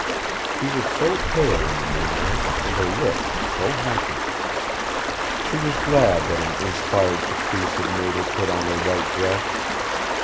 She was so pale in the moonlight, and her lips so happy. She was glad that an inspired caprice had made her put on her white dress.